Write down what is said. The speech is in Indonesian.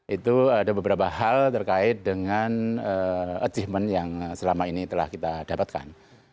itu ada beberapa hal terkait dengan achievement yang selama ini telah kita dapatkan